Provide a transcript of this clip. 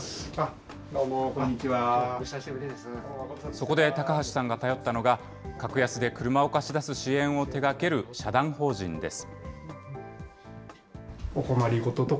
そこで高橋さんが頼ったのが、格安で車を貸し出す支援を手がける社団法人です。